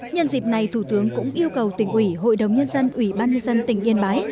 nhân dịp này thủ tướng cũng yêu cầu tỉnh ủy hội đồng nhân dân ủy ban nhân dân tỉnh yên bái